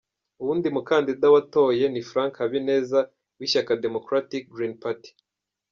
Uwundi mukandida watoye ni Frank Habineza w'ishyaka Democratic Green Party.